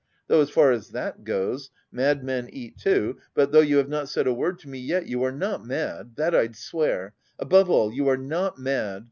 Though as far as that goes, madmen eat too, but though you have not said a word to me yet... you are not mad! That I'd swear! Above all, you are not mad!